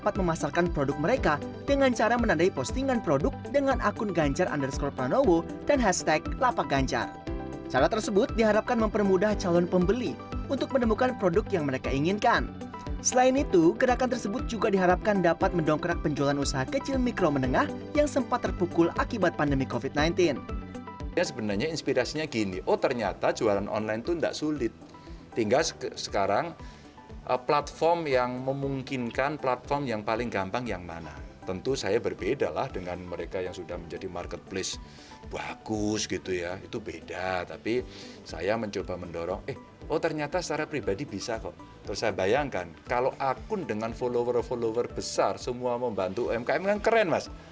terus saya bayangkan kalau akun dengan follower follower besar semua membantu umkm kan keren mas